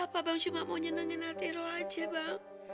apa bang cuma mau nyenengin hati roh aja bang